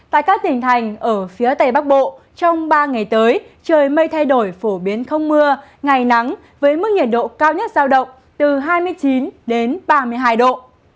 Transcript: tại các tỉnh thành ở phía tây bắc bộ trong ba ngày tới trời mây thay đổi phổ biến không mưa ngày nắng với mức nhiệt độ cao nhất giao động từ hai mươi chín ba mươi hai độ